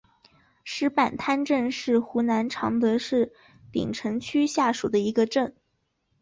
石板滩镇是湖南常德市鼎城区下属的一个镇。